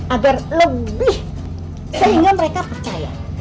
agar lebih sehingga mereka percaya